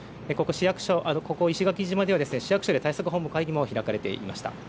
ここ石垣島では市役所の対策本部会議も開かれていました。